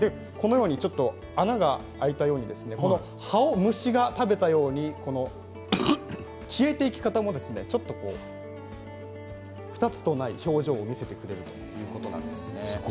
穴が開いたように葉を虫が食べたように消えていく方も２つとない表情を見せてくれるということなんですね。